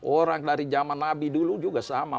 orang dari zaman nabi dulu juga sama